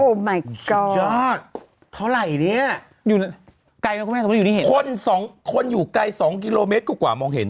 โอ้ไหมก็อดทักยัดเท่าไหร่เนี่ยคนอยู่ไกลสองกิโลเมตรกว่ามองเห็น